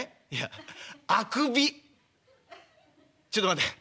「ちょっと待て。